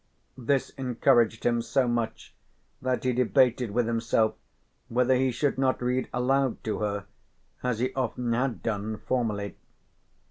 This encouraged him so much that he debated with himself whether he should not read aloud to her, as he often had done formerly.